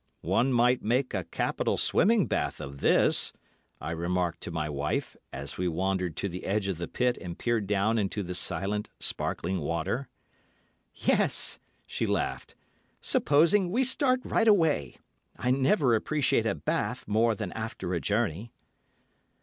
'One might make a capital swimming bath of this,' I remarked to my wife, as we wandered to the edge of the pit and peered down into the silent, sparkling water. "'Yes,' she laughed. 'Supposing we start right away. I never appreciate a bath more than after a journey.